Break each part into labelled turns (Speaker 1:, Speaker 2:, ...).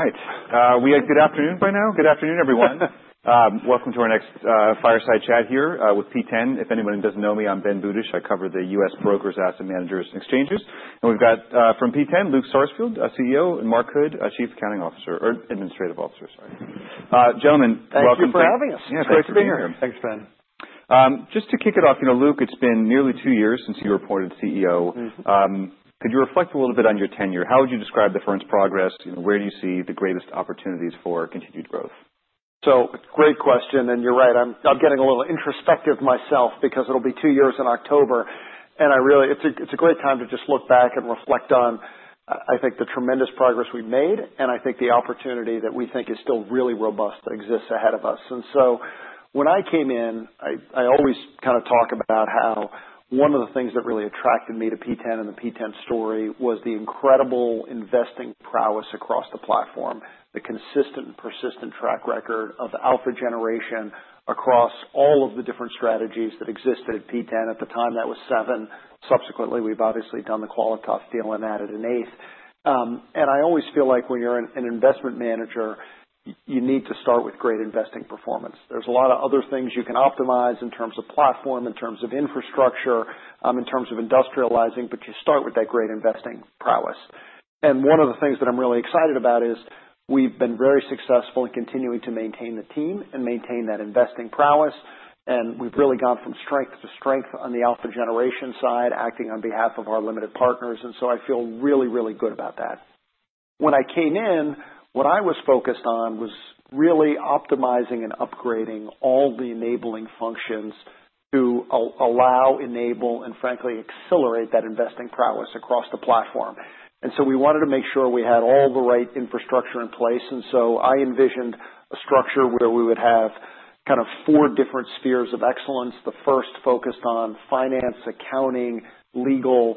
Speaker 1: All right. We had good afternoon by now. Good afternoon, everyone. Welcome to our next fireside chat here with P10. If anyone doesn't know me, I'm Ben Budish. I cover the U.S. brokers, asset managers, and exchanges. And we've got from P10, Luke Sarsfield, CEO, and Mark Hood, Chief Accounting Officer or Administrative Officer. Sorry. Gentlemen, welcome to.
Speaker 2: Thank you for having us.
Speaker 1: Yeah, it's great to be here.
Speaker 3: Thanks, Ben.
Speaker 1: Just to kick it off, you know, Luke, it's been nearly two years since you were appointed CEO.
Speaker 3: Mm-hmm.
Speaker 1: Could you reflect a little bit on your tenure? How would you describe the firm's progress? You know, where do you see the greatest opportunities for continued growth?
Speaker 3: Great question. And you're right. I'm getting a little introspective myself because it'll be two years in October. And I really, it's a great time to just look back and reflect on, I think, the tremendous progress we've made and I think the opportunity that we think is still really robust that exists ahead of us. And so, when I came in, I always kind of talk about how one of the things that really attracted me to P10 and the P10 story was the incredible investing prowess across the platform, the consistent and persistent track record of the alpha generation across all of the different strategies that existed at P10. At the time, that was seven. Subsequently, we've obviously done the Qualitas deal and added an eighth. And I always feel like when you're an investment manager, you need to start with great investing performance. There's a lot of other things you can optimize in terms of platform, in terms of infrastructure, in terms of industrializing, but you start with that great investing prowess. And one of the things that I'm really excited about is we've been very successful in continuing to maintain the team and maintain that investing prowess. And we've really gone from strength to strength on the alpha generation side, acting on behalf of our limited partners. And so, I feel really, really good about that. When I came in, what I was focused on was really optimizing and upgrading all the enabling functions to allow, enable, and frankly, accelerate that investing prowess across the platform. And so, we wanted to make sure we had all the right infrastructure in place. And so, I envisioned a structure where we would have kind of four different spheres of excellence. The first focused on finance, accounting, legal,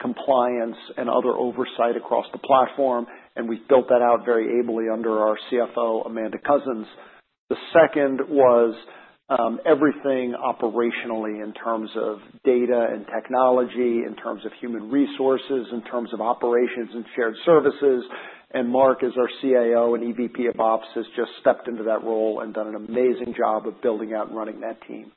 Speaker 3: compliance, and other oversight across the platform. And we built that out very ably under our CFO, Amanda Coussens. The second was, everything operationally in terms of data and technology, in terms of human resources, in terms of operations and shared services. And Mark, as our CAO and EVP of Ops, has just stepped into that role and done an amazing job of building out and running that team.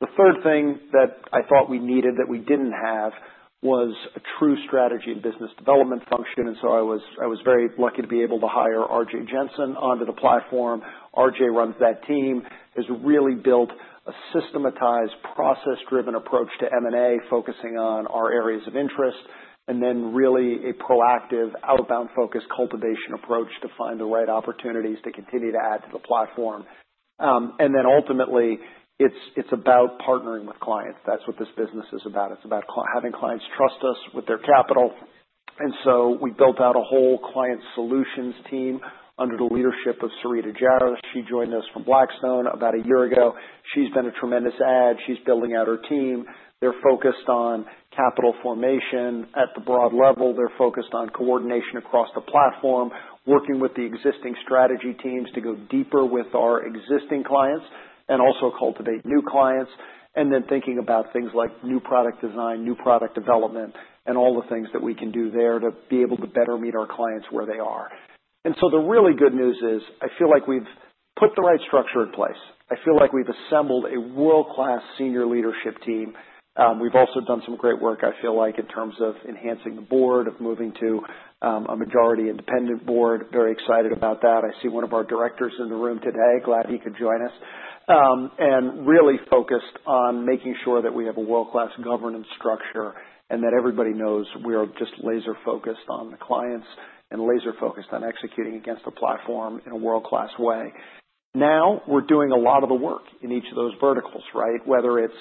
Speaker 3: The third thing that I thought we needed that we didn't have was a true strategy and business development function. And so, I was very lucky to be able to hire Arjay Jensen onto the platform. Arjay runs that team. He's really built a systematized, process-driven approach to M&A, focusing on our areas of interest, and then really a proactive, outbound-focused cultivation approach to find the right opportunities to continue to add to the platform, and then ultimately, it's, it's about partnering with clients. That's what this business is about. It's about clients trusting us with their capital, and so we built out a whole client solutions team under the leadership of Sarita Jairath. She joined us from Blackstone about a year ago. She's been a tremendous add. She's building out her team. They're focused on capital formation at the broad level. They're focused on coordination across the platform, working with the existing strategy teams to go deeper with our existing clients and also cultivate new clients, and then thinking about things like new product design, new product development, and all the things that we can do there to be able to better meet our clients where they are, and so the really good news is I feel like we've put the right structure in place. I feel like we've assembled a world-class senior leadership team. We've also done some great work, I feel like, in terms of enhancing the board, of moving to a majority independent board. Very excited about that. I see one of our directors in the room today. Glad he could join us. and really focused on making sure that we have a world-class governance structure and that everybody knows we are just laser-focused on the clients and laser-focused on executing against the platform in a world-class way. Now, we're doing a lot of the work in each of those verticals, right? Whether it's,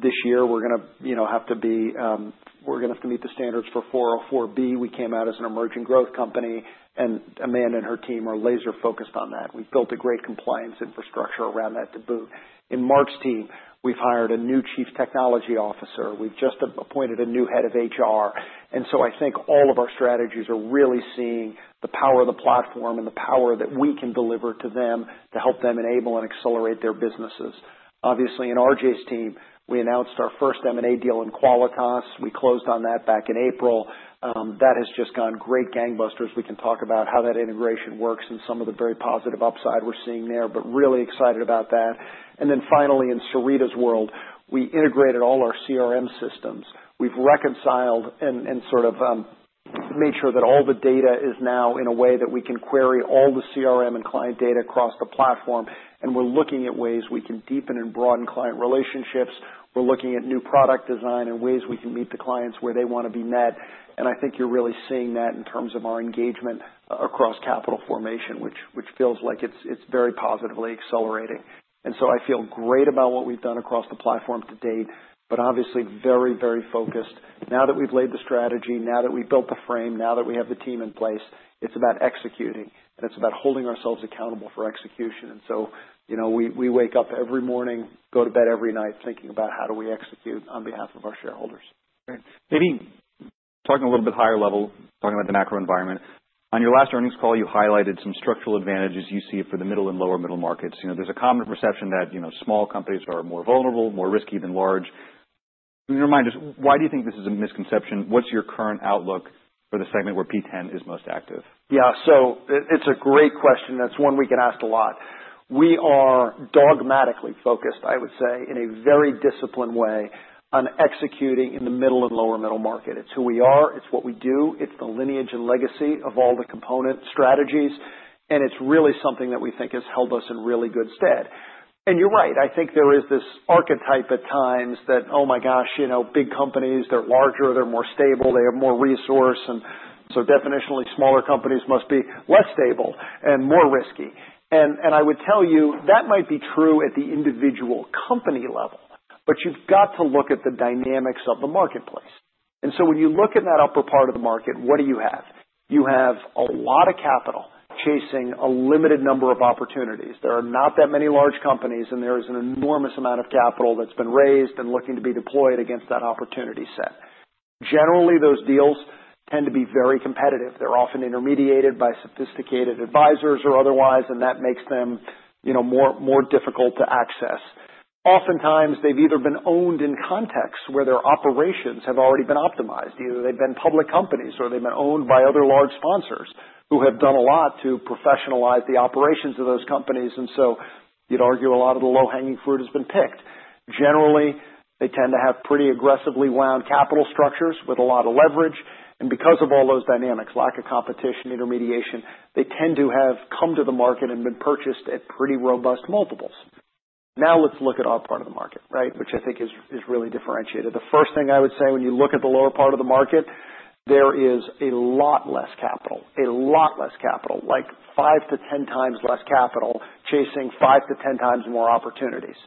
Speaker 3: this year, we're gonna, you know, have to meet the standards for 404(b). We came out as an emerging growth company, and Amanda and her team are laser-focused on that. We've built a great compliance infrastructure around that to boot. In Mark's team, we've hired a new Chief Technology Officer. We've just appointed a new head of HR. And so, I think all of our strategies are really seeing the power of the platform and the power that we can deliver to them to help them enable and accelerate their businesses. Obviously, in Arjay's team, we announced our first M&A deal in Qualitas. We closed on that back in April. That has just gone great gangbusters. We can talk about how that integration works and some of the very positive upside we're seeing there, but really excited about that. And then finally, in Sarita's world, we integrated all our CRM systems. We've reconciled and sort of made sure that all the data is now in a way that we can query all the CRM and client data across the platform. And we're looking at ways we can deepen and broaden client relationships. We're looking at new product design and ways we can meet the clients where they want to be met. And I think you're really seeing that in terms of our engagement across capital formation, which feels like it's very positively accelerating. And so, I feel great about what we've done across the platform to date, but obviously very, very focused. Now that we've laid the strategy, now that we've built the frame, now that we have the team in place, it's about executing, and it's about holding ourselves accountable for execution. And so, you know, we wake up every morning, go to bed every night thinking about how do we execute on behalf of our shareholders.
Speaker 1: Right. Maybe talking a little bit higher level, talking about the macro environment, on your last earnings call, you highlighted some structural advantages you see for the middle and lower-middle markets. You know, there's a common perception that, you know, small companies are more vulnerable, more risky than large. In your mind, just why do you think this is a misconception? What's your current outlook for the segment where P10 is most active?
Speaker 3: Yeah. So, it's a great question. That's one we get asked a lot. We are dogmatically focused, I would say, in a very disciplined way on executing in the middle and lower-middle market. It's who we are. It's what we do. It's the lineage and legacy of all the component strategies. And it's really something that we think has held us in really good stead. And you're right. I think there is this archetype at times that, "Oh my gosh, you know, big companies, they're larger, they're more stable, they have more resource." And so, definitionally, smaller companies must be less stable and more risky. And I would tell you that might be true at the individual company level, but you've got to look at the dynamics of the marketplace. And so, when you look in that upper part of the market, what do you have? You have a lot of capital chasing a limited number of opportunities. There are not that many large companies, and there is an enormous amount of capital that's been raised and looking to be deployed against that opportunity set. Generally, those deals tend to be very competitive. They're often intermediated by sophisticated advisors or otherwise, and that makes them, you know, more, more difficult to access. Oftentimes, they've either been owned in contexts where their operations have already been optimized. Either they've been public companies or they've been owned by other large sponsors who have done a lot to professionalize the operations of those companies. And so, you'd argue a lot of the low-hanging fruit has been picked. Generally, they tend to have pretty aggressively sound capital structures with a lot of leverage. And because of all those dynamics, lack of competition, intermediation, they tend to have come to the market and been purchased at pretty robust multiples. Now, let's look at our part of the market, right, which I think is, is really differentiated. The first thing I would say, when you look at the lower part of the market, there is a lot less capital, a lot less capital, like 5 to 10 times less capital chasing 5 to 10 times more opportunities.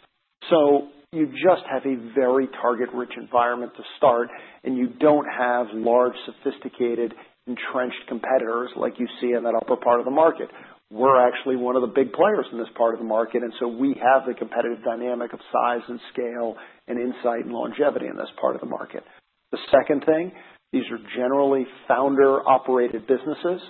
Speaker 3: So, you just have a very target-rich environment to start, and you don't have large, sophisticated, entrenched competitors like you see in that upper part of the market. We're actually one of the big players in this part of the market. And so, we have the competitive dynamic of size and scale and insight and longevity in this part of the market. The second thing, these are generally founder-operated businesses.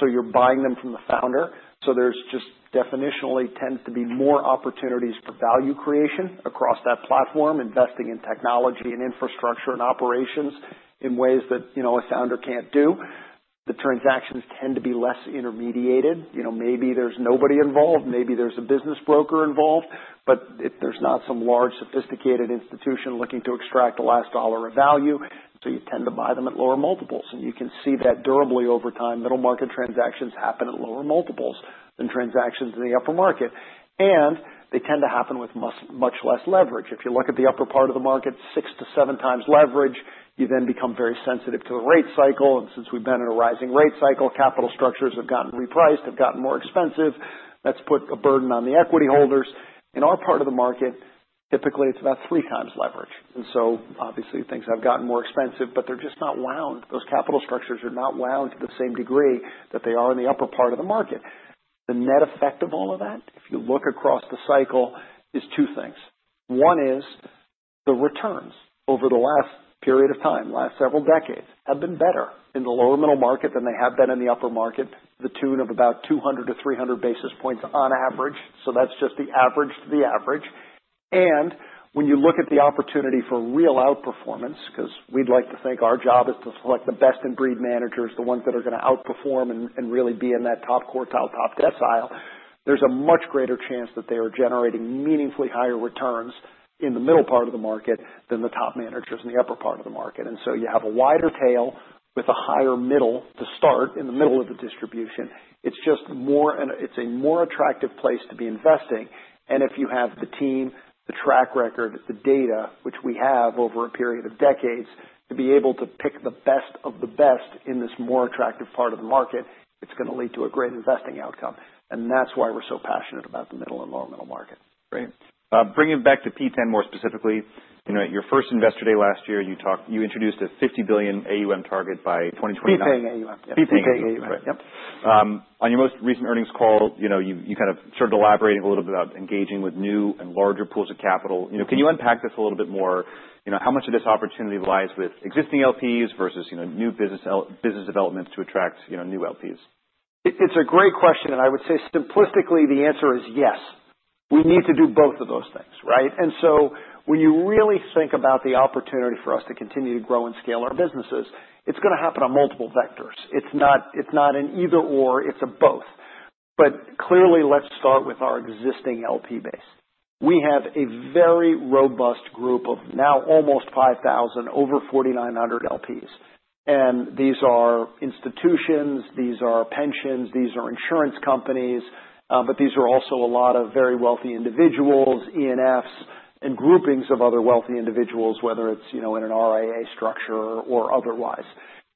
Speaker 3: So, you're buying them from the founder. So, there's just definitionally tends to be more opportunities for value creation across that platform, investing in technology and infrastructure and operations in ways that, you know, a founder can't do. The transactions tend to be less intermediated. You know, maybe there's nobody involved. Maybe there's a business broker involved, but if there's not some large, sophisticated institution looking to extract the last dollar of value, so you tend to buy them at lower multiples. And you can see that durably over time. Middle-market transactions happen at lower multiples than transactions in the upper market. And they tend to happen with much, much less leverage. If you look at the upper part of the market, 6-7 times leverage, you then become very sensitive to the rate cycle. Since we've been in a rising rate cycle, capital structures have gotten repriced, have gotten more expensive. That's put a burden on the equity holders. In our part of the market, typically, it's about three times leverage. And so, obviously, things have gotten more expensive, but they're just not wound. Those capital structures are not wound to the same degree that they are in the upper part of the market. The net effect of all of that, if you look across the cycle, is two things. One is the returns over the last period of time, last several decades, have been better in the lower-middle market than they have been in the upper market, to the tune of about 200-300 basis points on average. That's just the average to the average. When you look at the opportunity for real outperformance, because we'd like to think our job is to select the best-in-breed managers, the ones that are gonna outperform and really be in that top quartile, top decile, there's a much greater chance that they are generating meaningfully higher returns in the middle part of the market than the top managers in the upper part of the market. And so, you have a wider tail with a higher middle to start in the middle of the distribution. It's just more, it's a more attractive place to be investing. And if you have the team, the track record, the data, which we have over a period of decades, to be able to pick the best of the best in this more attractive part of the market, it's gonna lead to a great investing outcome. That's why we're so passionate about the middle and lower-middle market.
Speaker 1: Great. Bringing it back to P10 more specifically, you know, at your first investor day last year, you talked, you introduced a $50 billion AUM target by 2029.
Speaker 3: P10 AUM.
Speaker 1: P10 AUM.
Speaker 3: P10 AUM.
Speaker 1: Right. Yep. On your most recent earnings call, you know, you kind of started elaborating a little bit about engaging with new and larger pools of capital. You know, can you unpack this a little bit more? You know, how much of this opportunity lies with existing LPs versus, you know, new business developments to attract, you know, new LPs?
Speaker 3: It's a great question. And I would say, simplistically, the answer is yes. We need to do both of those things, right? And so, when you really think about the opportunity for us to continue to grow and scale our businesses, it's gonna happen on multiple vectors. It's not, it's not an either/or. It's a both. But clearly, let's start with our existing LP base. We have a very robust group of now almost 5,000, over 4,900 LPs. And these are institutions. These are pensions. These are insurance companies. But these are also a lot of very wealthy individuals, E&Fs, and groupings of other wealthy individuals, whether it's, you know, in an RIA structure or, or otherwise.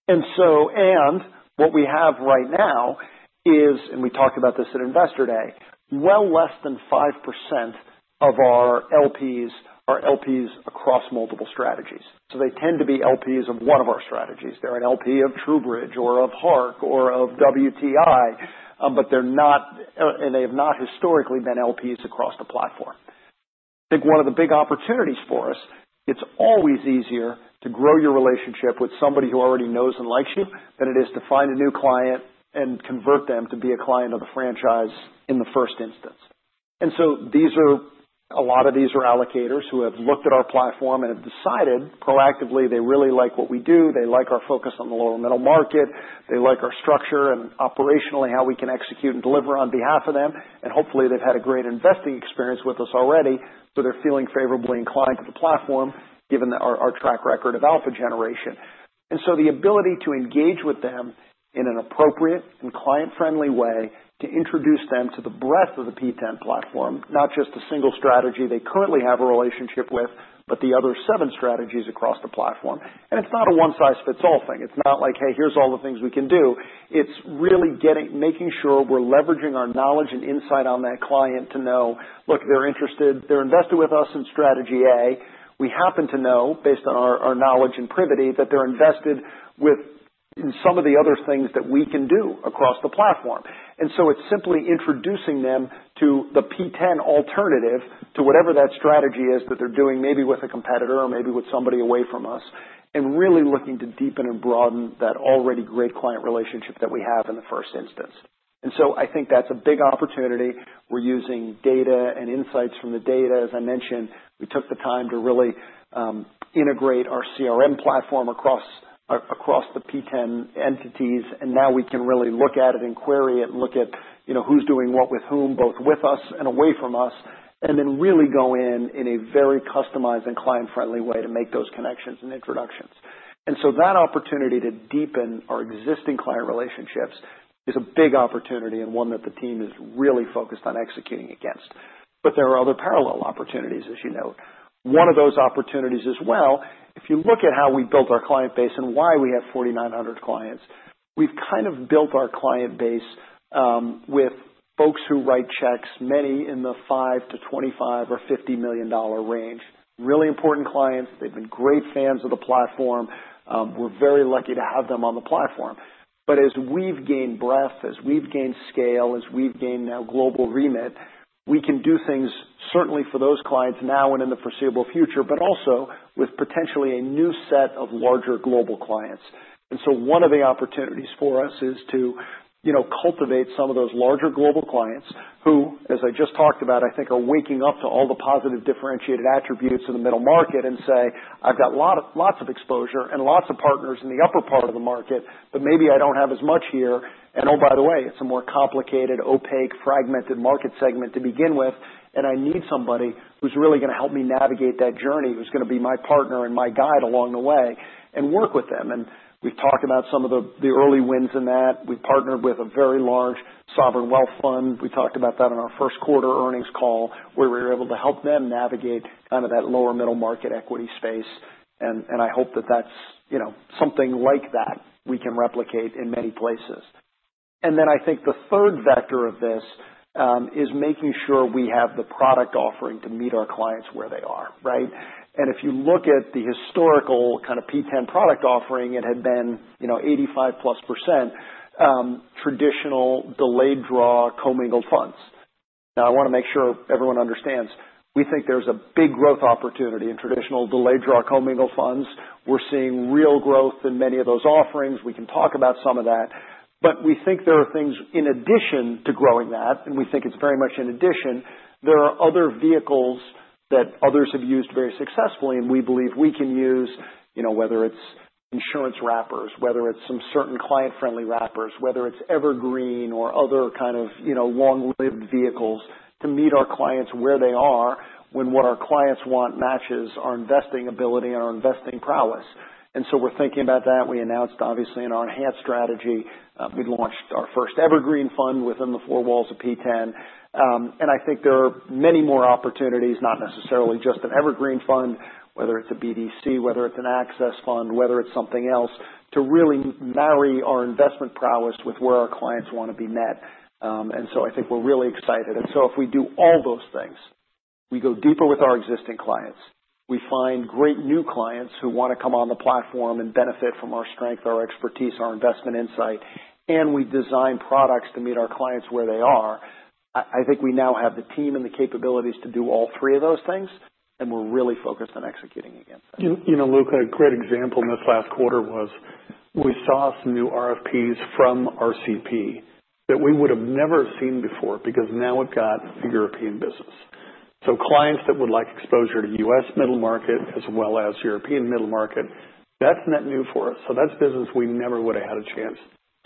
Speaker 3: And so, and what we have right now is, and we talked about this at investor day, well less than 5% of our LPs are LPs across multiple strategies. They tend to be LPs of one of our strategies. They're an LP of TrueBridge or of Hark or of WTI, but they're not, and they have not historically been LPs across the platform. I think one of the big opportunities for us, it's always easier to grow your relationship with somebody who already knows and likes you than it is to find a new client and convert them to be a client of the franchise in the first instance. And so, these are, a lot of these are allocators who have looked at our platform and have decided proactively they really like what we do. They like our focus on the lower-middle market. They like our structure and operationally how we can execute and deliver on behalf of them. And hopefully, they've had a great investing experience with us already. They're feeling favorably inclined to the platform given our track record of alpha generation. The ability to engage with them in an appropriate and client-friendly way to introduce them to the breadth of the P10 platform, not just a single strategy they currently have a relationship with, but the other seven strategies across the platform. It's not a one-size-fits-all thing. It's not like, "Hey, here's all the things we can do." It's really getting, making sure we're leveraging our knowledge and insight on that client to know, "Look, they're interested. They're invested with us in strategy A. We happen to know, based on our knowledge and privity, that they're invested in some of the other things that we can do across the platform. And so, it's simply introducing them to the P10 alternative to whatever that strategy is that they're doing, maybe with a competitor or maybe with somebody away from us, and really looking to deepen and broaden that already great client relationship that we have in the first instance. And so, I think that's a big opportunity. We're using data and insights from the data. As I mentioned, we took the time to really integrate our CRM platform across the P10 entities. Now we can really look at it and query it and look at, you know, who's doing what with whom, both with us and away from us, and then really go in, in a very customized and client-friendly way to make those connections and introductions. That opportunity to deepen our existing client relationships is a big opportunity and one that the team is really focused on executing against. There are other parallel opportunities, as you know. One of those opportunities as well, if you look at how we built our client base and why we have 4,900 clients, we've kind of built our client base, with folks who write checks, many in the $5-$25 or $50 million range. Really important clients. They've been great fans of the platform. We're very lucky to have them on the platform. But as we've gained breadth, as we've gained scale, as we've gained now global remit, we can do things certainly for those clients now and in the foreseeable future, but also with potentially a new set of larger global clients. And so, one of the opportunities for us is to, you know, cultivate some of those larger global clients who, as I just talked about, I think are waking up to all the positive differentiated attributes in the middle market and say, "I've got lots of exposure and lots of partners in the upper part of the market, but maybe I don't have as much here. And oh, by the way, it's a more complicated, opaque, fragmented market segment to begin with, and I need somebody who's really gonna help me navigate that journey, who's gonna be my partner and my guide along the way and work with them." And we've talked about some of the early wins in that. We've partnered with a very large sovereign wealth fund. We talked about that in our first quarter earnings call where we were able to help them navigate kind of that lower-middle market equity space. And I hope that that's, you know, something like that we can replicate in many places. And then I think the third vector of this is making sure we have the product offering to meet our clients where they are, right? And if you look at the historical kind of P10 product offering, it had been, you know, 85-plus% traditional delayed-draw commingled funds. Now, I wanna make sure everyone understands. We think there's a big growth opportunity in traditional delayed-draw commingled funds. We're seeing real growth in many of those offerings. We can talk about some of that. But we think there are things in addition to growing that, and we think it's very much in addition. There are other vehicles that others have used very successfully, and we believe we can use, you know, whether it's insurance wrappers, whether it's some certain client-friendly wrappers, whether it's evergreen or other kind of, you know, long-lived vehicles to meet our clients where they are when what our clients want matches our investing ability and our investing prowess. And so, we're thinking about that. We announced, obviously, in our Enhanced strategy, we launched our first Evergreen fund within the four walls of P10, and I think there are many more opportunities, not necessarily just an Evergreen fund, whether it's a BDC, whether it's an access fund, whether it's something else, to really marry our investment prowess with where our clients wanna be met, and so I think we're really excited, and so if we do all those things, we go deeper with our existing clients, we find great new clients who wanna come on the platform and benefit from our strength, our expertise, our investment insight, and we design products to meet our clients where they are. I, I think we now have the team and the capabilities to do all three of those things, and we're really focused on executing against that.
Speaker 2: You know, Luke, a great example in this last quarter was we saw some new RFPs from RCP that we would've never seen before because now we've got European business. So, clients that would like exposure to U.S. middle market as well as European middle market, that's net new for us. So, that's business we never would've had a chance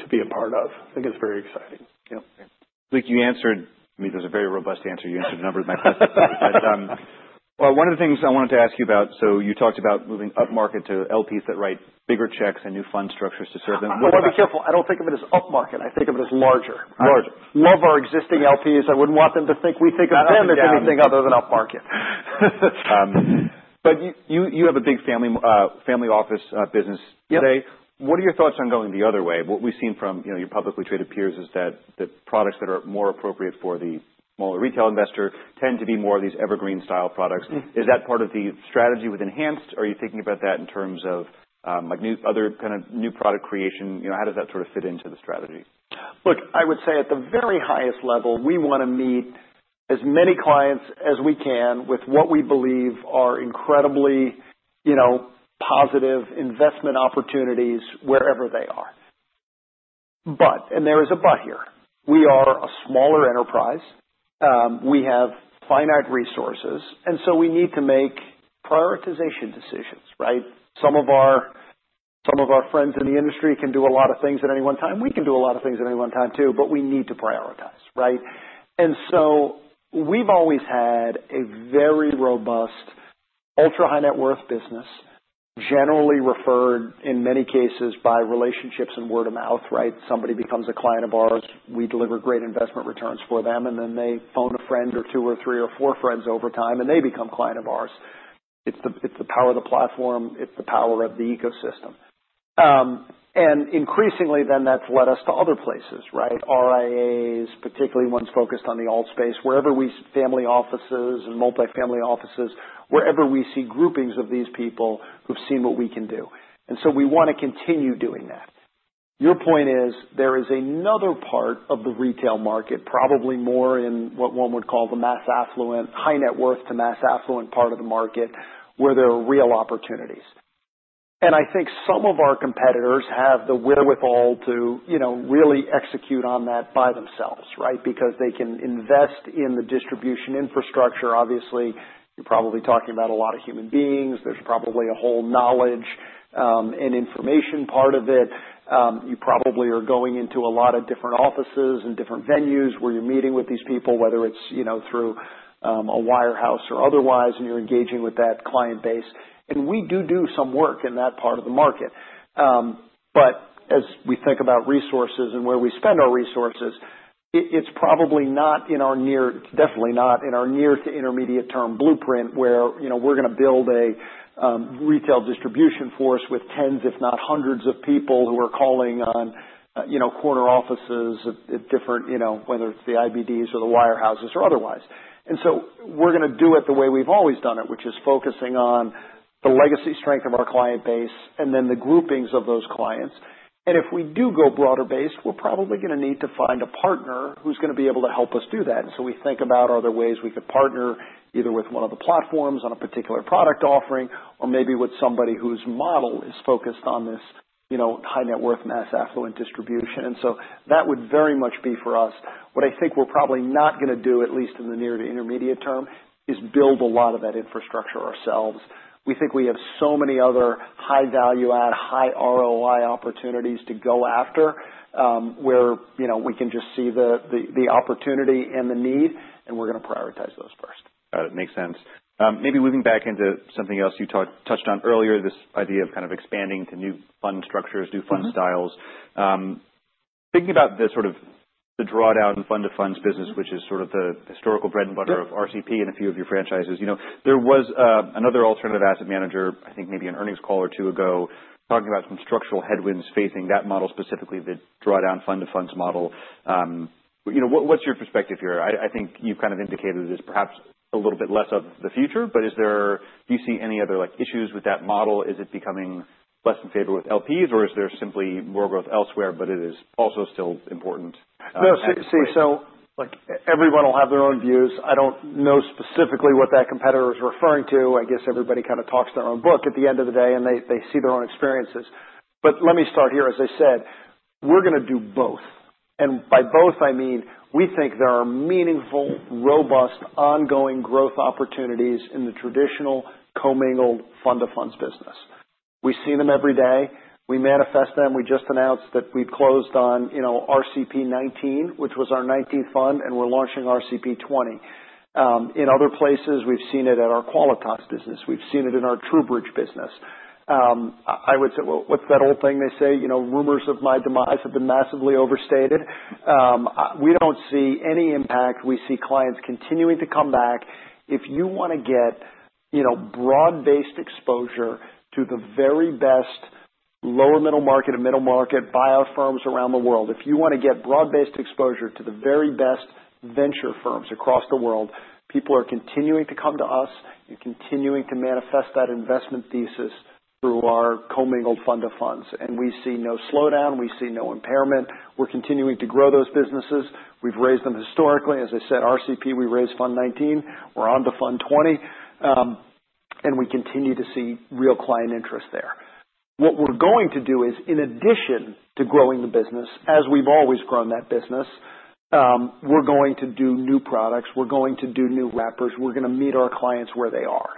Speaker 2: to be a part of. I think it's very exciting. Yep.
Speaker 1: Yeah. Luke, you answered, I mean, there's a very robust answer. You answered a number of my questions. But, well, one of the things I wanted to ask you about, so you talked about moving upmarket to LPs that write bigger checks and new fund structures to serve them.
Speaker 2: I wanna be careful. I don't think of it as upmarket. I think of it as larger.
Speaker 1: Larger.
Speaker 2: Love our existing LPs. I wouldn't want them to think we think about them as anything other than upmarket.
Speaker 1: But you have a big family office business today.
Speaker 2: Yep.
Speaker 1: What are your thoughts on going the other way? What we've seen from, you know, your publicly traded peers is that the products that are more appropriate for the smaller retail investor tend to be more of these Evergreen-style products. Is that part of the strategy with Enhanced? Are you thinking about that in terms of, like new, other kind of new product creation? You know, how does that sort of fit into the strategy?
Speaker 2: Look, I would say at the very highest level, we wanna meet as many clients as we can with what we believe are incredibly, you know, positive investment opportunities wherever they are. But, and there is a but here. We are a smaller enterprise. We have finite resources. And so, we need to make prioritization decisions, right? Some of our friends in the industry can do a lot of things at any one time. We can do a lot of things at any one time too, but we need to prioritize, right? And so, we've always had a very robust, ultra-high-net-worth business generally referred in many cases by relationships and word of mouth, right? Somebody becomes a client of ours. We deliver great investment returns for them, and then they phone a friend or two or three or four friends over time, and they become clients of ours. It's the power of the platform. It's the power of the ecosystem, and increasingly then that's led us to other places, right? RIAs, particularly ones focused on the alt space, wherever we see family offices and multifamily offices, wherever we see groupings of these people who've seen what we can do. So, we wanna continue doing that. Your point is there is another part of the retail market, probably more in what one would call the mass affluent, high-net-worth to mass affluent part of the market where there are real opportunities. And I think some of our competitors have the wherewithal to, you know, really execute on that by themselves, right? Because they can invest in the distribution infrastructure. Obviously, you're probably talking about a lot of human beings. There's probably a whole knowledge and information part of it. You probably are going into a lot of different offices and different venues where you're meeting with these people, whether it's, you know, through a wirehouse or otherwise, and you're engaging with that client base. And we do do some work in that part of the market. But as we think about resources and where we spend our resources, it's probably not in our near to intermediate-term blueprint, definitely not, where, you know, we're gonna build a retail distribution force with tens, if not hundreds of people who are calling on, you know, corner offices at different, you know, whether it's the IBDs or the wirehouses or otherwise. We're gonna do it the way we've always done it, which is focusing on the legacy strength of our client base and then the groupings of those clients. If we do go broader-based, we're probably gonna need to find a partner who's gonna be able to help us do that. We think about, are there ways we could partner either with one of the platforms on a particular product offering or maybe with somebody whose model is focused on this, you know, high-net-worth, mass affluent distribution. That would very much be for us. What I think we're probably not gonna do, at least in the near to intermediate term, is build a lot of that infrastructure ourselves. We think we have so many other high-value-add, high-ROI opportunities to go after, where, you know, we can just see the opportunity and the need, and we're gonna prioritize those first.
Speaker 1: Got it. Makes sense. Maybe moving back into something else you talked, touched on earlier, this idea of kind of expanding to new fund structures, new fund styles. Thinking about the sort of the drawdown fund-of-funds business, which is sort of the historical bread and butter of RCP and a few of your franchises, you know, there was another alternative asset manager, I think maybe an earnings call or two ago, talking about some structural headwinds facing that model specifically, the drawdown fund-of-funds model. You know, what's your perspective here? I think you've kind of indicated it is perhaps a little bit less of the future, but is there, do you see any other, like, issues with that model? Is it becoming less in favor with LPs, or is there simply more growth elsewhere, but it is also still important?
Speaker 2: No, see, so, like, everyone'll have their own views. I don't know specifically what that competitor's referring to. I guess everybody kinda talks their own book at the end of the day, and they see their own experiences, but let me start here. As I said, we're gonna do both, and by both, I mean we think there are meaningful, robust, ongoing growth opportunities in the traditional commingled fund-of-funds business. We see them every day. We manifest them. We just announced that we've closed on, you know, RCP 19, which was our 19th fund, and we're launching RCP 20. In other places, we've seen it at our Qualitas business. We've seen it in our TrueBridge business. I would say, well, what's that old thing they say? You know, rumors of my demise have been massively overstated. We don't see any impact. We see clients continuing to come back. If you wanna get, you know, broad-based exposure to the very best lower-middle market and middle market buyout firms around the world, if you wanna get broad-based exposure to the very best venture firms across the world, people are continuing to come to us and continuing to manifest that investment thesis through our commingled fund-of-funds. And we see no slowdown. We see no impairment. We're continuing to grow those businesses. We've raised them historically. As I said, RCP, we raised Fund 19. We're on to Fund 20. And we continue to see real client interest there. What we're going to do is, in addition to growing the business, as we've always grown that business, we're going to do new products. We're going to do new wrappers. We're gonna meet our clients where they are.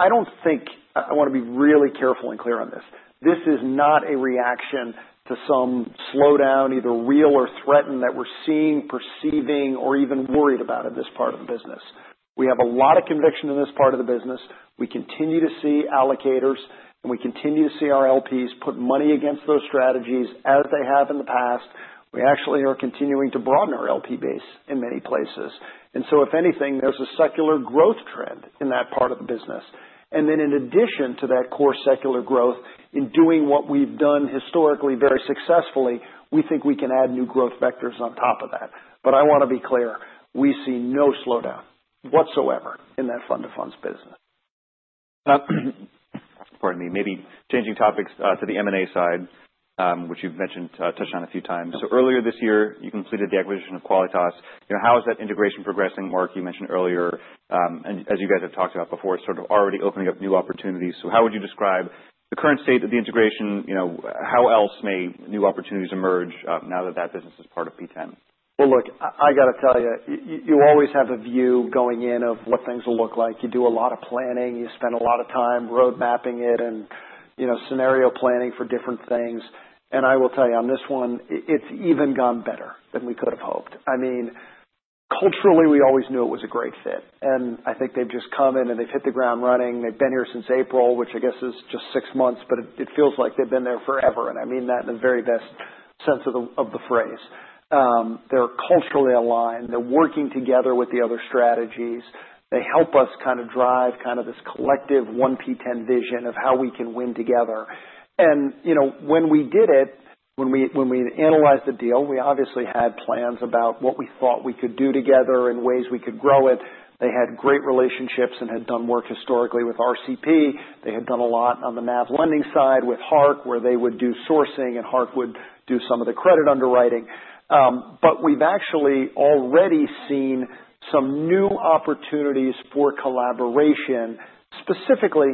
Speaker 2: I don't think I wanna be really careful and clear on this. This is not a reaction to some slowdown, either real or threatened, that we're seeing, perceiving, or even worried about in this part of the business. We have a lot of conviction in this part of the business. We continue to see allocators, and we continue to see our LPs put money against those strategies as they have in the past. We actually are continuing to broaden our LP base in many places. And so, if anything, there's a secular growth trend in that part of the business. And then, in addition to that core secular growth, in doing what we've done historically very successfully, we think we can add new growth vectors on top of that. But I wanna be clear, we see no slowdown whatsoever in that fund-of-funds business.
Speaker 1: Pardon me, maybe changing topics to the M&A side, which you've mentioned, touched on a few times. So, earlier this year, you completed the acquisition of Qualitas. You know, how is that integration progressing, Mark? You mentioned earlier, and as you guys have talked about before, it's sort of already opening up new opportunities. So, how would you describe the current state of the integration? You know, how else may new opportunities emerge, now that that business is part of P10?
Speaker 2: Well, look, I gotta tell you, you always have a view going in of what things will look like. You do a lot of planning. You spend a lot of time roadmapping it and, you know, scenario planning for different things. And I will tell you, on this one, it's even gone better than we could've hoped. I mean, culturally, we always knew it was a great fit. And I think they've just come in, and they've hit the ground running. They've been here since April, which I guess is just six months, but it feels like they've been there forever. And I mean that in the very best sense of the phrase. They're culturally aligned. They're working together with the other strategies. They help us kinda drive kinda this collective P10 vision of how we can win together. You know, when we did it, when we, when we analyzed the deal, we obviously had plans about what we thought we could do together and ways we could grow it. They had great relationships and had done work historically with RCP. They had done a lot on the NAV lending side with Hark, where they would do sourcing, and Hark would do some of the credit underwriting. But we've actually already seen some new opportunities for collaboration, specifically,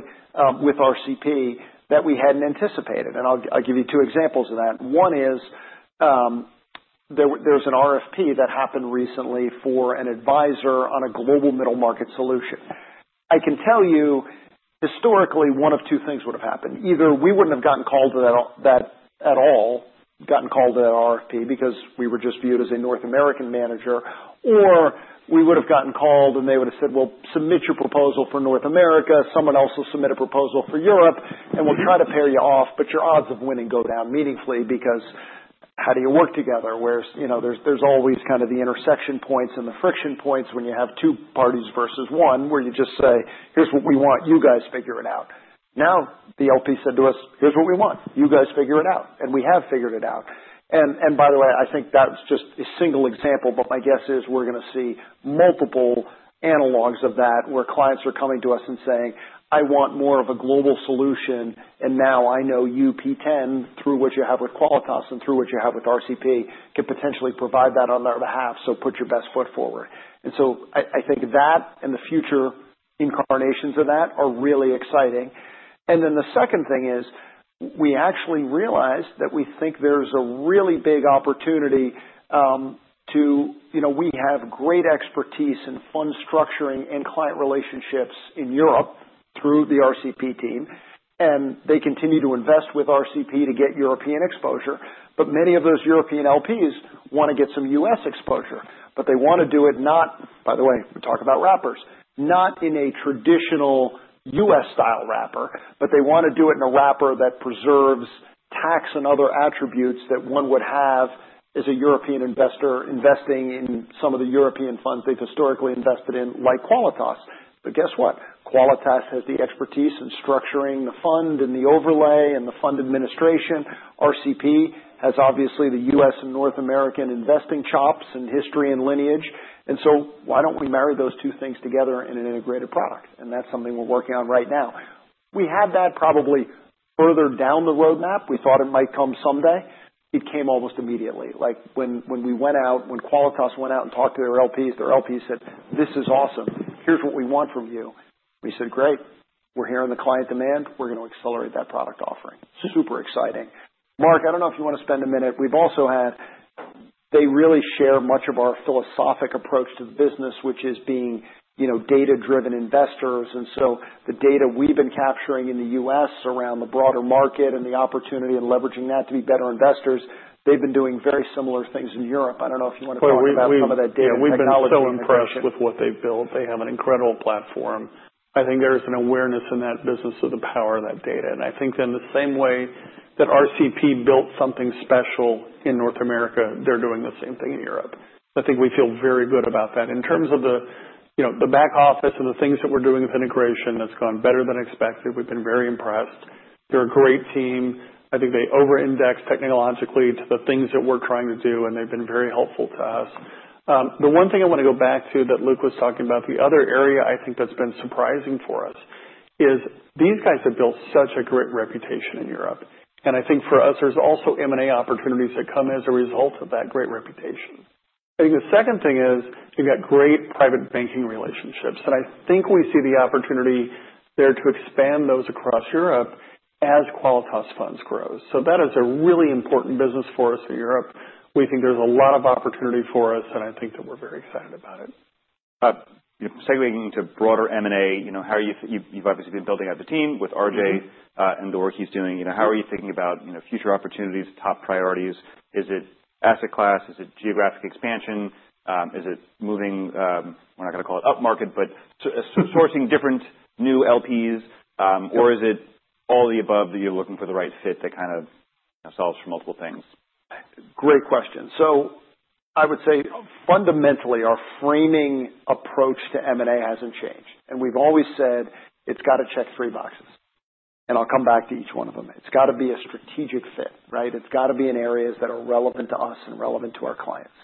Speaker 2: with RCP that we hadn't anticipated. And I'll, I'll give you two examples of that. One is, there was, there was an RFP that happened recently for an advisor on a global middle market solution. I can tell you, historically, one of two things would've happened. Either we wouldn't have gotten called to that RFP at all because we were just viewed as a North American manager, or we would've gotten called, and they would've said, "Well, submit your proposal for North America. Someone else will submit a proposal for Europe, and we'll try to pair you off, but your odds of winning go down meaningfully because how do you work together?" Whereas, you know, there's always kinda the intersection points and the friction points when you have two parties versus one where you just say, "Here's what we want. You guys figure it out." Now, the LP said to us, "Here's what we want. You guys figure it out." And we have figured it out. And by the way, I think that's just a single example, but my guess is we're gonna see multiple analogs of that where clients are coming to us and saying, "I want more of a global solution, and now I know you P10 through what you have with Qualitas and through what you have with RCP can potentially provide that on their behalf, so put your best foot forward." And so, I think that and the future incarnations of that are really exciting. And then the second thing is we actually realized that we think there's a really big opportunity to you know we have great expertise in fund structuring and client relationships in Europe through the RCP team, and they continue to invest with RCP to get European exposure. But many of those European LPs wanna get some U.S. exposure, but they wanna do it not, by the way, we talk about wrappers, not in a traditional U.S.-style wrapper, but they wanna do it in a wrapper that preserves tax and other attributes that one would have as a European investor investing in some of the European funds they've historically invested in, like Qualitas. But guess what? Qualitas has the expertise in structuring the fund and the overlay and the fund administration. RCP has obviously the U.S. and North American investing chops and history and lineage. And so, why don't we marry those two things together in an integrated product? And that's something we're working on right now. We had that probably further down the roadmap. We thought it might come someday. It came almost immediately. Like, when we went out, when Qualitas went out and talked to their LPs, their LPs said, "This is awesome. Here's what we want from you." We said, "Great. We're hearing the client demand. We're gonna accelerate that product offering." Super exciting.
Speaker 1: Mark, I don't know if you wanna spend a minute. They really share much of our philosophical approach to the business, which is being, you know, data-driven investors. So, the data we've been capturing in the U.S. around the broader market and the opportunity and leveraging that to be better investors, they've been doing very similar things in Europe. I don't know if you wanna talk about some of that data and knowledge there.
Speaker 2: Yeah. We've been so impressed with what they've built. They have an incredible platform. I think there's an awareness in that business of the power of that data. And I think in the same way that RCP built something special in North America, they're doing the same thing in Europe. I think we feel very good about that. In terms of the, you know, the back office and the things that we're doing with integration, that's gone better than expected. We've been very impressed. They're a great team. I think they over-index technologically to the things that we're trying to do, and they've been very helpful to us. The one thing I wanna go back to that Luke was talking about, the other area I think that's been surprising for us is these guys have built such a great reputation in Europe. I think for us, there's also M&A opportunities that come as a result of that great reputation. I think the second thing is you've got great private banking relationships, and I think we see the opportunity there to expand those across Europe as Qualitas Funds grows. That is a really important business for us in Europe. We think there's a lot of opportunity for us, and I think that we're very excited about it.
Speaker 1: You know, segueing into broader M&A, you know, how are you think you've, you've obviously been building out the team with RJ, and the work he's doing, you know, how are you thinking about, you know, future opportunities, top priorities? Is it asset class? Is it geographic expansion? Is it moving, we're not gonna call it upmarket, but sourcing different new LPs? Or is it all the above that you're looking for the right fit that kind of, you know, solves for multiple things?
Speaker 3: Great question. So I would say fundamentally, our framing approach to M&A hasn't changed. And we've always said it's gotta check three boxes, and I'll come back to each one of them. It's gotta be a strategic fit, right? It's gotta be in areas that are relevant to us and relevant to our clients.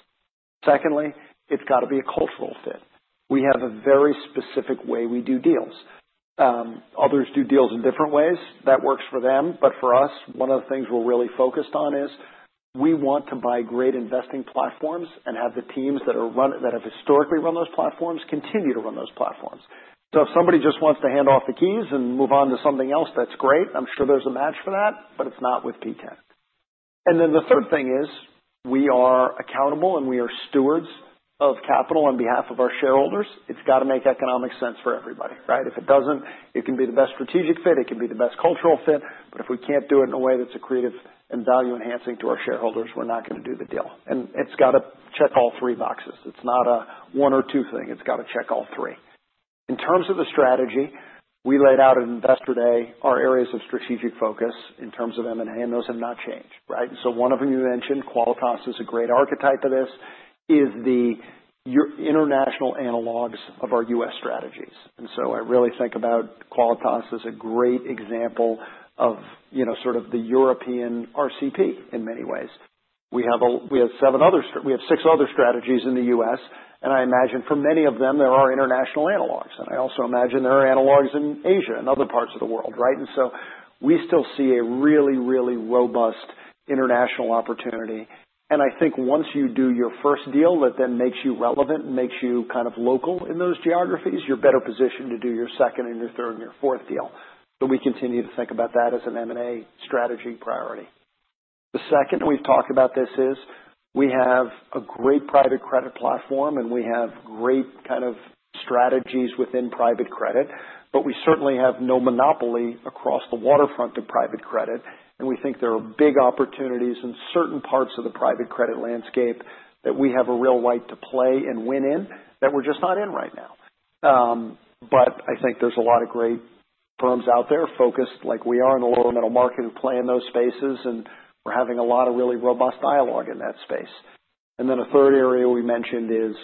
Speaker 3: Secondly, it's gotta be a cultural fit. We have a very specific way we do deals. Others do deals in different ways. That works for them. But for us, one of the things we're really focused on is we want to buy great investing platforms and have the teams that are run that have historically run those platforms continue to run those platforms. So if somebody just wants to hand off the keys and move on to something else, that's great. I'm sure there's a match for that, but it's not with P10. And then the third thing is we are accountable, and we are stewards of capital on behalf of our shareholders. It's gotta make economic sense for everybody, right? If it doesn't, it can be the best strategic fit. It can be the best cultural fit. But if we can't do it in a way that's a creative and value-enhancing to our shareholders, we're not gonna do the deal. And it's gotta check all three boxes. It's not a one or two thing. It's gotta check all three. In terms of the strategy, we laid out at investor day our areas of strategic focus in terms of M&A, and those have not changed, right? And so one of them you mentioned, Qualitas is a great archetype of this, is the international analogs of our U.S. strategies. And so I really think about Qualitas as a great example of, you know, sort of the European RCP in many ways. We have six other strategies in the U.S. And I imagine for many of them, there are international analogs. And I also imagine there are analogs in Asia and other parts of the world, right? And so we still see a really, really robust international opportunity. And I think once you do your first deal that then makes you relevant and makes you kind of local in those geographies, you are better positioned to do your second and your third and your fourth deal. So we continue to think about that as an M&A strategy priority. The second we've talked about this is we have a great private credit platform, and we have great kind of strategies within private credit, but we certainly have no monopoly across the waterfront of private credit. And we think there are big opportunities in certain parts of the private credit landscape that we have a real right to play and win in that we're just not in right now. But I think there's a lot of great firms out there focused like we are in the lower middle market who play in those spaces, and we're having a lot of really robust dialogue in that space. And then a third area we mentioned is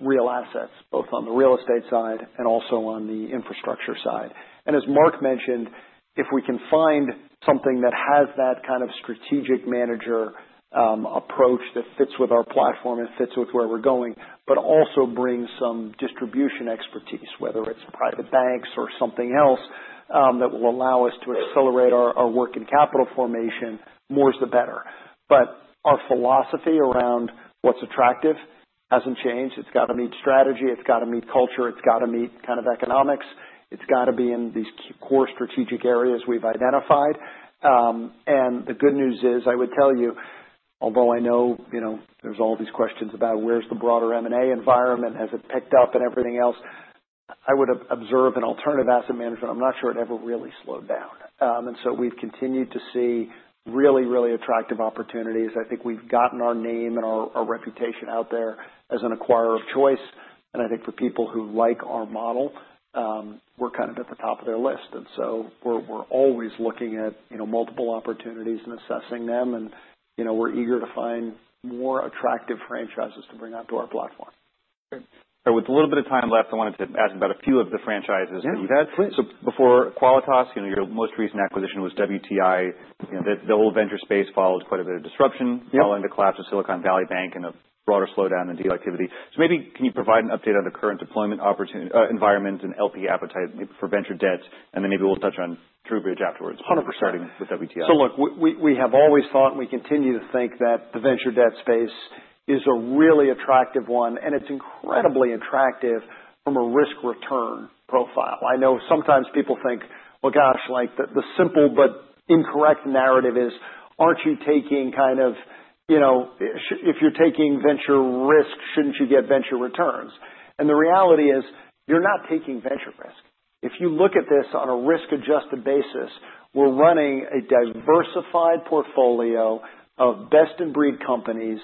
Speaker 3: real assets, both on the real estate side and also on the infrastructure side. And as Mark mentioned, if we can find something that has that kind of strategic manager approach that fits with our platform and fits with where we're going, but also brings some distribution expertise, whether it's private banks or something else, that will allow us to accelerate our work in capital formation, more is the better. But our philosophy around what's attractive hasn't changed. It's gotta meet strategy. It's gotta meet culture. It's gotta meet kind of economics. It's gotta be in these core strategic areas we've identified. And the good news is I would tell you, although I know, you know, there's all these questions about where's the broader M&A environment, has it picked up and everything else, I would observe in alternative asset management. I'm not sure it ever really slowed down. And so we've continued to see really, really attractive opportunities. I think we've gotten our name and our reputation out there as an acquirer of choice. I think for people who like our model, we're kind of at the top of their list. We're always looking at, you know, multiple opportunities and assessing them. You know, we're eager to find more attractive franchises to bring out to our platform.
Speaker 1: And with a little bit of time left, I wanted to ask about a few of the franchises that you've had.
Speaker 2: Yeah. Please.
Speaker 1: So before Qualitas, you know, your most recent acquisition was WTI. You know, the whole venture space followed quite a bit of disruption.
Speaker 2: Yeah.
Speaker 1: Following the collapse of Silicon Valley Bank and a broader slowdown in deal activity, so maybe can you provide an update on the current deployment opportunity environment and LP appetite for venture debt, and then maybe we'll touch on TrueBridge afterwards.
Speaker 2: 100%.
Speaker 1: Starting with WTI.
Speaker 2: So look, we have always thought and we continue to think that the venture debt space is a really attractive one, and it's incredibly attractive from a risk-return profile. I know sometimes people think, "Well, gosh, like the simple but incorrect narrative is, aren't you taking kind of, you know, if you're taking venture risk, shouldn't you get venture returns?" And the reality is you're not taking venture risk. If you look at this on a risk-adjusted basis, we're running a diversified portfolio of best-in-breed companies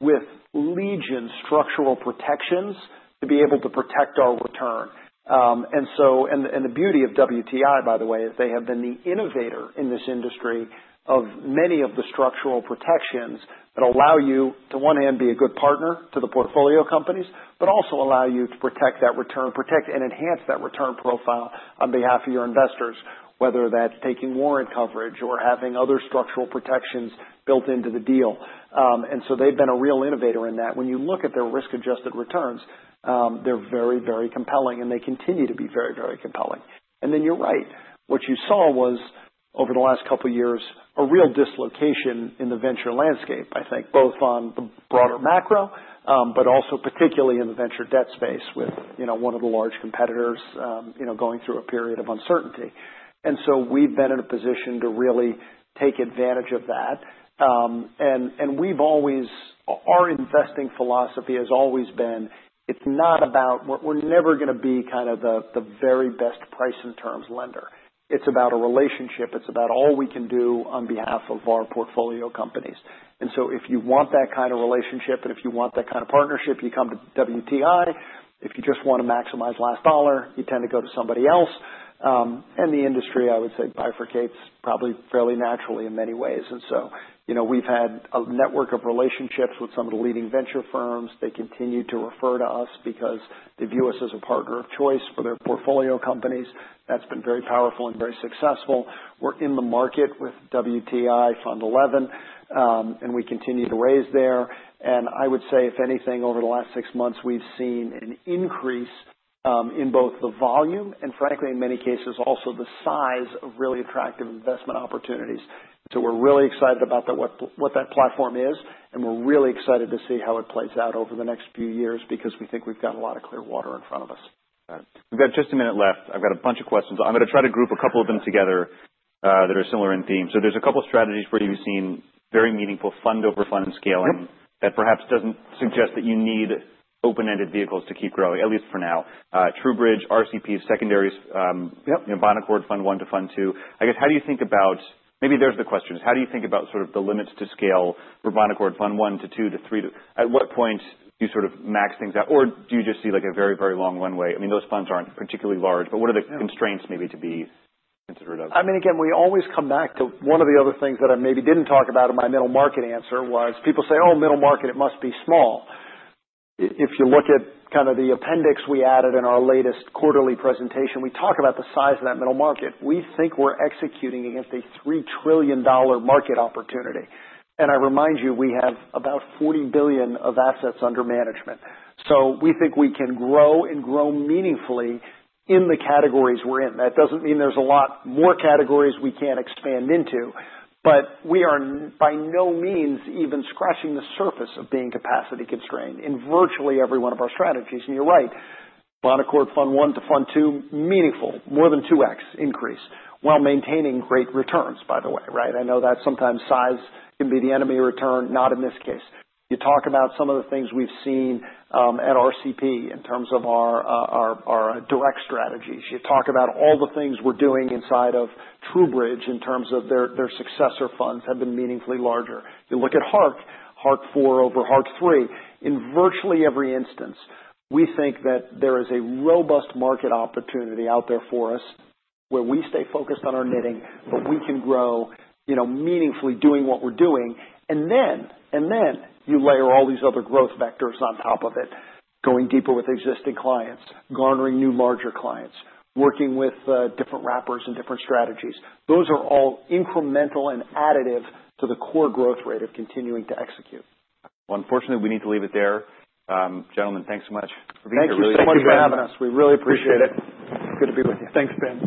Speaker 2: with legal structural protections to be able to protect our return. And so, the beauty of WTI, by the way, is that they have been the innovator in this industry of many of the structural protections that allow you, on one hand, to be a good partner to the portfolio companies, but also allow you to protect that return, protect and enhance that return profile on behalf of your investors, whether that's taking warrant coverage or having other structural protections built into the deal. And so they've been a real innovator in that. When you look at their risk-adjusted returns, they're very, very compelling, and they continue to be very, very compelling. And then you're right. What you saw was, over the last couple of years, a real dislocation in the venture landscape, I think, both on the broader macro, but also particularly in the venture debt space with, you know, one of the large competitors, you know, going through a period of uncertainty. And so we've been in a position to really take advantage of that. And we've always, our investing philosophy has always been, it's not about, we're never gonna be kind of the very best price and terms lender. It's about a relationship. It's about all we can do on behalf of our portfolio companies. And so if you want that kind of relationship and if you want that kind of partnership, you come to WTI. If you just wanna maximize last dollar, you tend to go to somebody else. And the industry, I would say, bifurcates probably fairly naturally in many ways. And so, you know, we've had a network of relationships with some of the leading venture firms. They continue to refer to us because they view us as a partner of choice for their portfolio companies. That's been very powerful and very successful. We're in the market with WTI Fund 11, and we continue to raise there. And I would say, if anything, over the last six months, we've seen an increase, in both the volume and, frankly, in many cases, also the size of really attractive investment opportunities. So we're really excited about that, what, what that platform is, and we're really excited to see how it plays out over the next few years because we think we've got a lot of clear water in front of us.
Speaker 1: Got it. We've got just a minute left. I've got a bunch of questions. I'm gonna try to group a couple of them together, that are similar in theme. So there's a couple of strategies where you've seen very meaningful fund-over-fund scaling.
Speaker 2: Yep.
Speaker 1: That perhaps doesn't suggest that you need open-ended vehicles to keep growing, at least for now. TrueBridge, RCP, secondaries,
Speaker 2: Yep.
Speaker 1: Bon Accord Fund I to Fund II. I guess, how do you think about, maybe there's the questions, how do you think about sort of the limits to scale for Bon Accord Fund I to II to III to, at what point do you sort of max things out? Or do you just see like a very, very long runway? I mean, those funds aren't particularly large, but what are the constraints maybe to be considered of?
Speaker 2: I mean, again, we always come back to one of the other things that I maybe didn't talk about in my middle market answer was people say, "Oh, middle market, it must be small." If you look at kind of the appendix we added in our latest quarterly presentation, we talk about the size of that middle market. We think we're executing against a $3 trillion market opportunity. And I remind you, we have about $40 billion of assets under management. So we think we can grow and grow meaningfully in the categories we're in. That doesn't mean there's a lot more categories we can't expand into, but we are by no means even scratching the surface of being capacity constrained in virtually every one of our strategies. And you're right. Bon Accord Fund I to Fund II, meaningful, more than 2x increase while maintaining great returns, by the way, right? I know that sometimes size can be the enemy of return, not in this case. You talk about some of the things we've seen, at RCP in terms of our direct strategies. You talk about all the things we're doing inside of TrueBridge in terms of their successor funds have been meaningfully larger. You look at Hark, Hark IV over Hark III. In virtually every instance, we think that there is a robust market opportunity out there for us where we stay focused on our knitting, but we can grow, you know, meaningfully doing what we're doing. And then you layer all these other growth vectors on top of it, going deeper with existing clients, garnering new larger clients, working with different RIAs and different strategies. Those are all incremental and additive to the core growth rate of continuing to execute.
Speaker 1: Unfortunately, we need to leave it there. Gentlemen, thanks so much for being here.
Speaker 2: Thank you so much for having us. We really appreciate it. Good to be with you.
Speaker 3: Thanks, Ben.